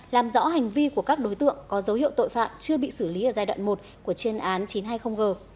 làm rõ hành vi của các đối tượng có dấu hiệu tội phạm chưa bị xử lý ở giai đoạn một của chuyên án chín trăm hai mươi g